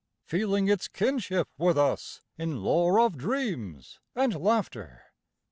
Feeling its kinship with us in lore of dreams and laugh ter.